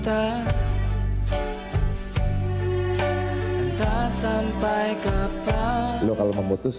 aku akan berubah